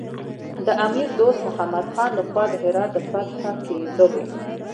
د امیر دوست محمد خان له خوا د هرات د فتح کېدلو.